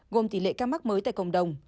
gồm tỷ lệ ca mắc mới tại cộng đồng